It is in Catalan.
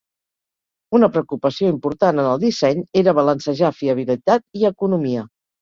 Una preocupació important en el disseny era balancejar fiabilitat i economia.